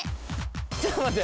ちょっと待って。